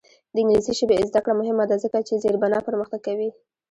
د انګلیسي ژبې زده کړه مهمه ده ځکه چې زیربنا پرمختګ کوي.